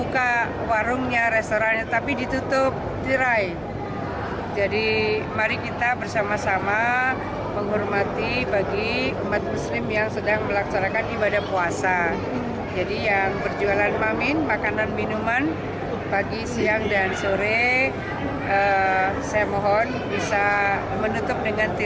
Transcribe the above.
kalau untuk pedagang makanan mereka silakan tetap